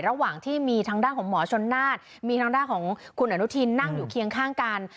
ระหว่างที่มีทางด้านของหมอชนนาฏมีทางด้านของคุณอนุทินนั่งอยู่เคียงข้างกัน